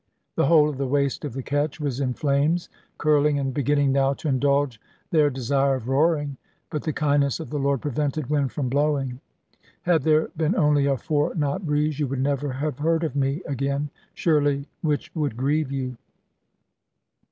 The whole of the waist of the ketch was in flames, curling and beginning now to indulge their desire of roaring; but the kindness of the Lord prevented wind from blowing. Had there been only a four knot breeze, you would never have heard of me again; surely which would grieve you.